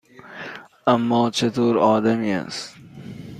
اِما چطور آدمی است؟